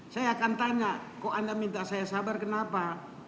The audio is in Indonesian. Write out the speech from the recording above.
saya akan tanya kok anda minta saya sabar kenapa